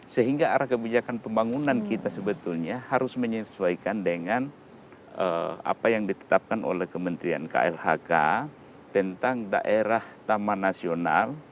sehingga arah kebijakan pembangunan kita sebetulnya harus menyesuaikan dengan apa yang ditetapkan oleh kementerian klhk tentang daerah taman nasional